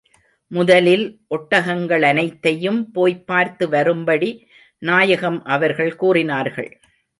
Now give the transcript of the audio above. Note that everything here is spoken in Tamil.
முதலில் ஒட்டகங்களனைத்தையும் போய்ப் பார்த்து வரும்படி நாயகம் அவர்கள் கூறினார்கள்.